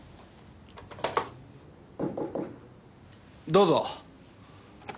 どうぞ。